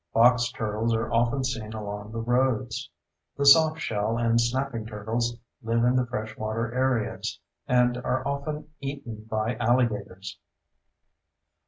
Box turtles are often seen along the roads. The softshell and snapping turtles live in the fresh water areas and are often eaten by alligators.